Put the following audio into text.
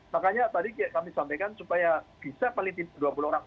makanya tadi kami sampaikan supaya bisa paling tidak dua puluh orang